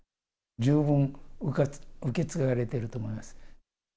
十分、受け継がれていると思います。